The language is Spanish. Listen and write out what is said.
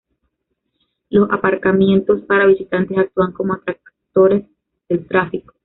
Los aparcamientos para visitantes actúan como atractores del tráfico